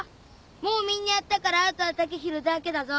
もうみんなやったからあとは剛洋だけだぞ。